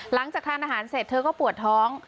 หลังจากทานอาหารเสร็จเธอก็ปวดท้อง